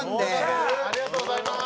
ありがとうございます！